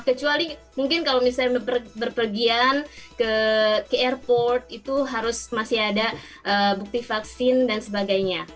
kecuali mungkin kalau misalnya berpergian ke airport itu harus masih ada bukti vaksin dan sebagainya